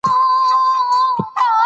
ماشوم نوې پوښتنه مطرح کړه